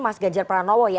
mas gajah pranowo ya